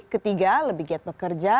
ketiga lebih giat pekerja